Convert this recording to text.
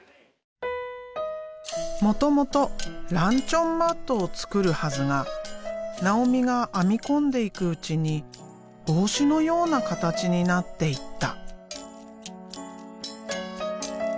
もともとランチョンマットを作るはずが尚美が編み込んでいくうちに帽子のような形になっていった。